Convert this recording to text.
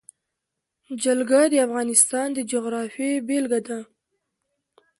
جلګه د افغانستان د جغرافیې بېلګه ده.